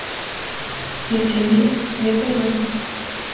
Для цябе дзве дарогі.